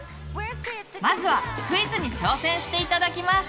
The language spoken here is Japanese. まずはクイズに挑戦して頂きます！